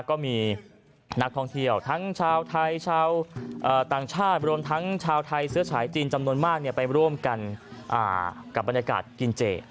ก็มีนักท่องเที่ยวทั้งชาวไทยชาวต่างชาติรวมทั้งชาวไทยเสื้อฉายจีนจำนวนมากไปร่วมกันกับบรรยากาศกินเจ